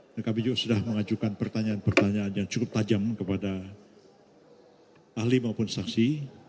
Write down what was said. dan kami juga sudah mengajukan pertanyaan pertanyaan yang cukup tajam kepada ahli maupun saksi